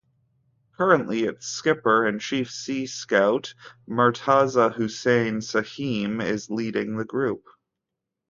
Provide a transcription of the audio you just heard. Currently its Skipper and Chief Sea Scout Murtaza Hussain Shamim is leading the group.